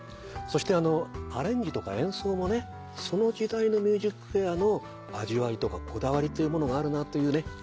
そしてアレンジとか演奏もねその時代の『ＭＵＳＩＣＦＡＩＲ』の味わいとかこだわりというものがあるなというね